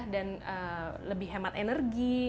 dan lebih hemat energi